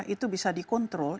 itu bisa dikontrol